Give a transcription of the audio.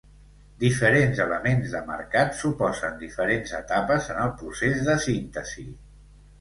Diferents elements de marcat suposen diferents etapes en el procés de síntesi.